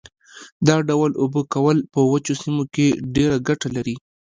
دا ډول اوبه کول په وچو سیمو کې ډېره ګټه لري.